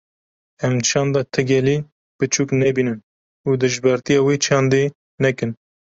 Em çanda ti gelî piçûk nebînin û dijbertiya wê çandê nekin.